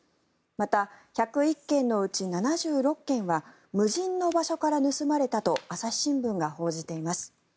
また、１０１件のうち７６件は無人の場所から盗まれたと朝日新聞が報じています。